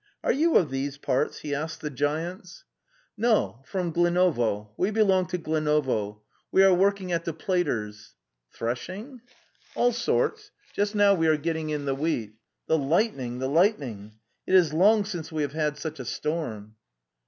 ... Are you of these parts?'' he asked the giants. The Steppe 279 "No, from Glinovo. We belong to Glinovo. We are working at the Platers'." Threshing? " '"'Allsorts. Just now we are getting in the wheat. The lightning, the lightning! It is long since we have had such a storm.